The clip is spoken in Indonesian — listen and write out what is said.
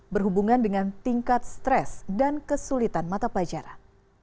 berhubungan dengan tingkat stres dan kesulitan mata pelajaran